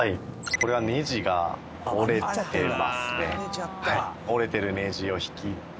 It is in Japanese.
これはネジが折れてますね。